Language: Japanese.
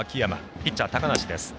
ピッチャー、高梨です。